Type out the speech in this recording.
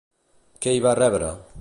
Què hi va rebre?